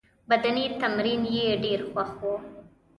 بدني تمرین یې ډېر خوښ وو.